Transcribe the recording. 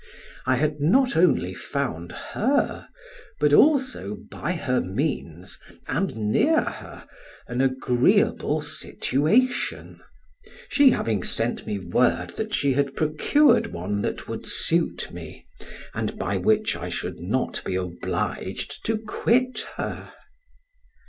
I had not only found her, but also by her means, and near her, an agreeable situation, having sent me word that she had procured one that would suit me, and by which I should not be obliged to quit her.